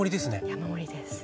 山盛りです。